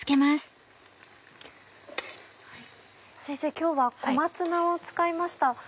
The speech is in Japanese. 先生今日は小松菜を使いました。